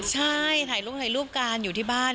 ใช่ถ่ายรูปถ่ายรูปกันอยู่ที่บ้าน